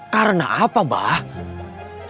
karena apa pak